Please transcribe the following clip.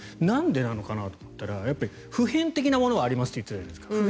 なんでなのかなと思ったら普遍的なものがありますって言ってたじゃないですか。